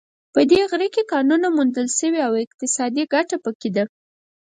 په دې غره کې کانونو موندل شوې او اقتصادي ګټه په کې ده